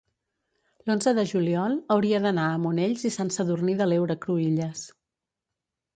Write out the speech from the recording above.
l'onze de juliol hauria d'anar a Monells i Sant Sadurní de l'Heura Cruïlles.